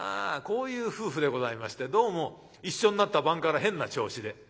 こういう夫婦でございましてどうも一緒になった晩から変な調子で。